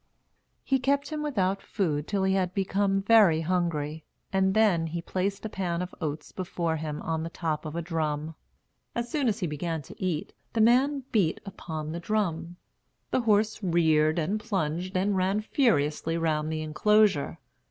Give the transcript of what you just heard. He kept him without food till he had become very hungry, and then he placed a pan of oats before him on the top of a drum. As soon as he began to eat, the man beat upon the drum. The horse reared and plunged and ran furiously round the enclosure.